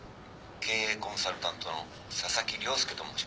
「経営コンサルタントの佐々木亮介と申します」